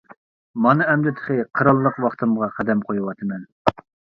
مانا ئەمدى تېخى قىرانلىق ۋاقتىمغا قەدەم قويۇۋاتىمەن.